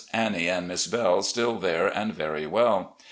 Anni e and Miss Bdle still there and very well.